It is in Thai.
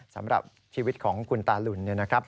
สำหรับชีวิตของคุณตาลุน